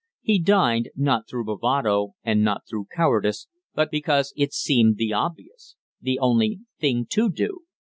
He dined, not through bravado and not through cowardice, but because it seemed the obvious, the only thing to do.